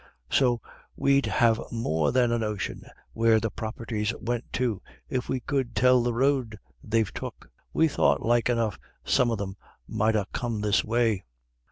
So we'd have more than a notion where the property's went to if we could tell the road they've took. We thought like enough some of them might ha' come this way."